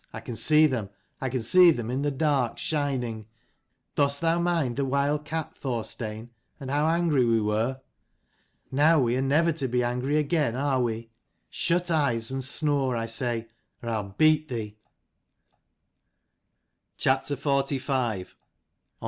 I can see them, I can see them in the dark, shining. Dost thou mind the wild cat, Thorstein, and how angry we were? Now we are never to be angry again, are we ? Shut eyes and snore, I say, or I'll beat thee."